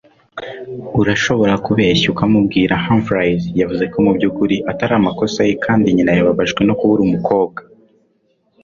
Urashobora kubeshya ukamubwira Humphries yavuze ko mubyukuri atari amakosa ye kandi nyina yababajwe no kubura umukobwa.